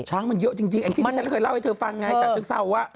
ช้างมันเยอะจริงแองจี้ที่ฉันเคยเล่าให้เธอฟังไงจากเชิงเศร้าว่า